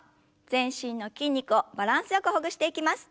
全身の筋肉をバランスよくほぐしていきます。